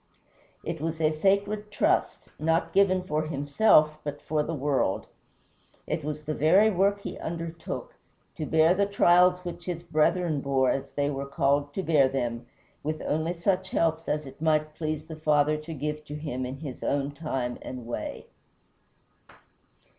It was a sacred trust, not given for himself but for the world. It was the very work he undertook, to bear the trials which his brethren bore as they were called to bear them, with only such helps as it might please the Father to give him in his own time and way.